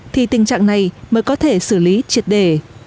thì tình trạng này mới có thể xử lý triệt đề